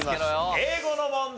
英語の問題。